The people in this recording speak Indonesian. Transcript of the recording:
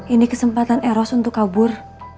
ini kesempatan eros untuk kabur